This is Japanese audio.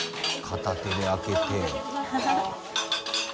片手で開けて。